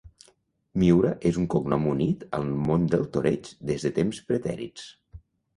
Miura és un cognom unit al món del toreig des de temps pretèrits.